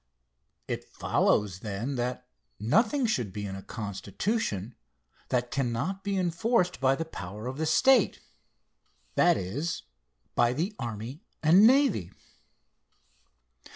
It follows, then, that nothing should be in a constitution that cannot be enforced by the power of the state that is, by the army and navy.